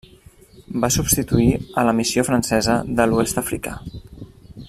Va substituir a la Missió Francesa de l'Oest Africà.